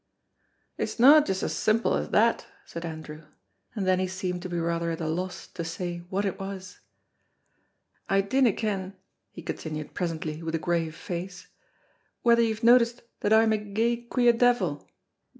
"It's no just so simple as that," said Andrew, and then he seemed to be rather at a loss to say what it was. "I dinna ken," he continued presently with a grave face, "whether you've noticed that I'm a gey queer deevil?